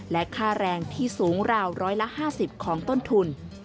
และค่าแรงที่สูงราว๑๕๐ของต้นทุน